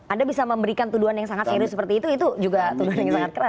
anda bisa memberikan tuduhan yang sangat serius seperti itu itu juga tuduhan yang sangat keras